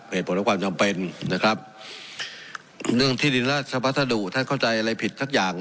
เหตุผลและความจำเป็นนะครับเรื่องที่ดินราชภัสดุท่านเข้าใจอะไรผิดสักอย่าง